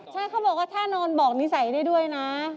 ใช่เขาบอกว่าถ้านอนบอกนิสัยได้ด้วยนะ